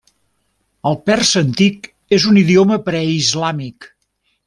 El persa antic és un idioma preislàmic.